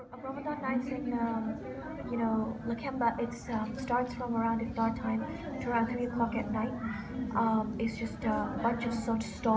di kota kota ini para pengunjung muslim dan non muslim berbaur menjadi satu